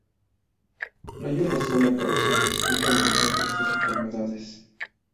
No hay una sola causa que explique el origen de estas enfermedades.